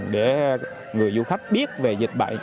để người du khách biết về dịch bệnh